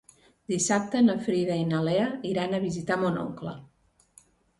Dissabte na Frida i na Lea aniran a visitar mon oncle.